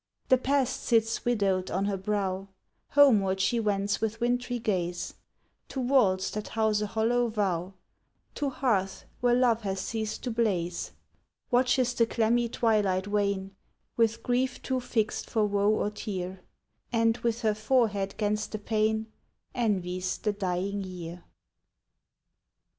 The past sits widowed on her brow, Homeward she wends with wintry gaze, To walls that house a hollow vow, To hearth where love hath ceased to blaze; Watches the clammy twilight wane, With grief too fixed for woe or tear; And, with her forehead 'gainst the pane, Envies the dying year.